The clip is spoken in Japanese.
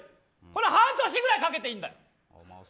これ半年ぐらいかけていいんだよ。